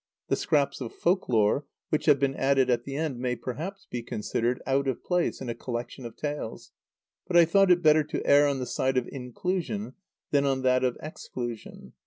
The "Scraps of Folk Lore," which have been added at the end, may perhaps be considered out of place in a collection of tales. But I thought it better to err on the side of inclusion than on that of exclusion.